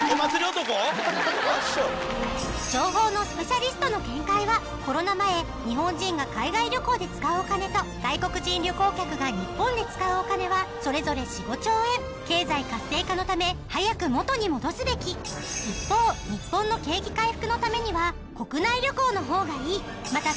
情報のスペシャリストの見解はコロナ前日本人が海外旅行で使うお金と外国人旅行客が日本で使うお金はそれぞれ４５兆円経済活性化のため早く元に戻すべき一方またあなたはあり？